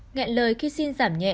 ngẹn lời khi xin giảm nhẹ